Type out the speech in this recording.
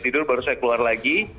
tidur baru saya keluar lagi